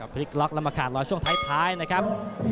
พลิกล็อกแล้วมาขาดรอยช่วงท้ายนะครับ